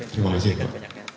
terima kasih pak